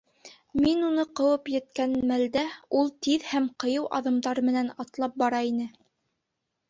Мин уны ҡыуып еткән мәлдә, ул тиҙ һәм ҡыйыу аҙымдар менән атлап бара ине.